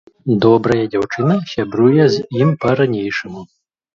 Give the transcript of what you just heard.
Добрая дзяўчына, сябруе з ім па-ранейшаму.